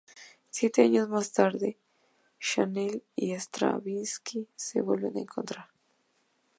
Siete años más tarde, Chanel y Stravinski se vuelven a encontrar.